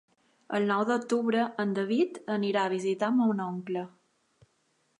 El nou d'octubre en David anirà a visitar mon oncle.